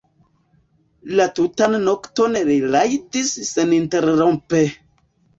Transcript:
La tutan nokton li rajdis seninterrompe.